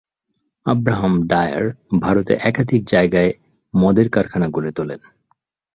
Abraham Dyer ভারতে একাধিক জায়গায় মদের কারখানা গড়ে তোলেন।